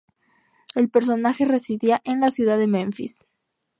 El personaje residía en la ciudad de Menfis.